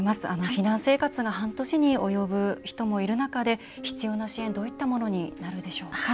避難生活が半年に及ぶ人もいる中で必要な支援、どういったものになるでしょうか？